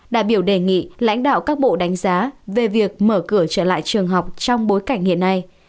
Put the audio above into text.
đại biểu đề nghị lãnh đạo các bộ đánh giá về việc mở cửa trở lại trường học trong bối cảnh hiện nay